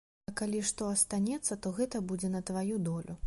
А калі што астанецца, то гэта будзе на тваю долю.